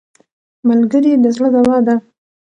ملګری د زړه دوا ده